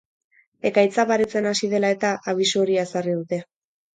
Ekaitza baretzen hasi dela eta, abisu horia ezarri dute.